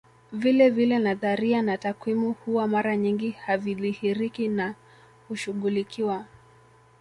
Vilevile nadharia na takwimu huwa mara nyingi havidhihiriki na hushughulikwa